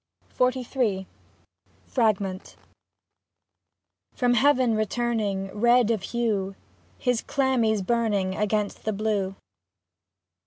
48 XLIII FRAGMENT From heaven returning ; Red of hue, his chlamys burning Against the blue.